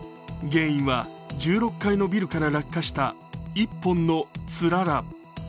原因は１６階のビルから落下した一本のつらら。